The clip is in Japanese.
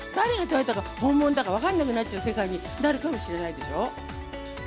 誰が本物だか分からなくなっちゃう世界になるかもしれないでしょ？